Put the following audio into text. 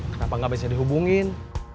kenapa gak bisa dihubungin